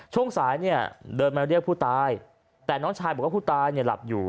ช่วงสายเนี่ยเดินมาเรียกผู้ตายแต่น้องชายบอกว่าผู้ตายเนี่ยหลับอยู่